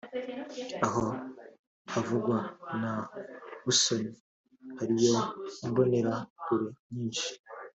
Aho havugwa za Busoni hariyo imbonerakure nyinshi